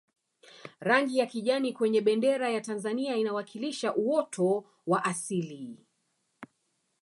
rangi ya kijani kwenye bendera ya tanzania inawakilisha uoto wa asili